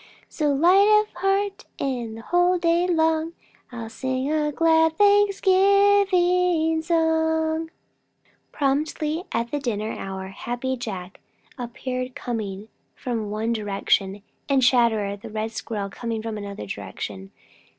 So light of heart the whole day long, I'll sing a glad Thanksgiving song." Promptly at the dinner hour Happy Jack appeared coming from one direction, and Chatterer the Red Squirrel coming from another direction.